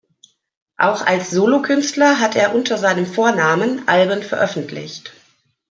Auch als Solokünstler hat er unter seinem Vornamen Alben veröffentlicht.